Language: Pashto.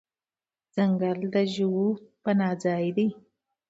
ځنګل د ژوو پناه ځای دی.